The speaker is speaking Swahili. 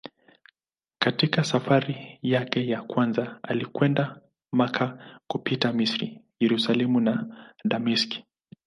Katika safari yake ya kwanza alikwenda Makka kupitia Misri, Yerusalemu na Dameski.